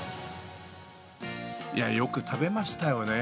いや、よく食べましたよね。